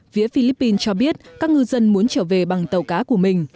phía philippines cho biết các ngư dân muốn trở về bằng tàu cá của mình